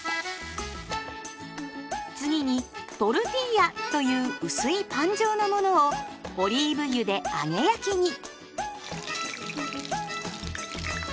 次にトルティーヤという薄いパン状のものをオリーブ油で揚げ焼きに。